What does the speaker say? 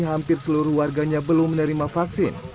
hampir seluruh warganya belum menerima vaksin